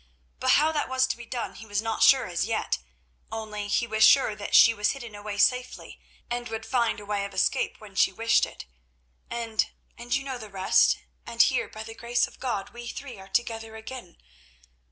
But how that was to be done he was not sure as yet; only he was sure that she was hidden away safely, and would find a way of escape when she wished it. And—and—you know the rest, and here, by the grace of God, we three are together again."